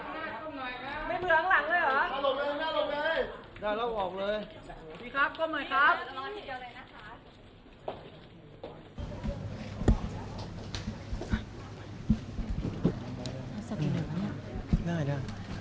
ใช่ค่ะขอบคุณภาษาความรู้สึกของคุณเกี่ยวข้องกับคุยข่ายฝากเงินของไซสนาค่ะ